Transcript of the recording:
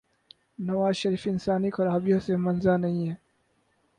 نوازشریف انسانی خرابیوں سے منزہ نہیں ہیں۔